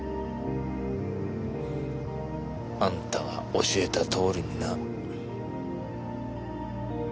あんたが教えた通りにな。